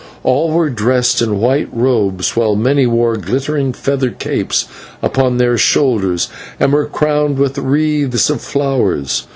All were dressed in white robes, while many wore glittering feather capes upon their shoulders and were crowned with wreaths of flowers.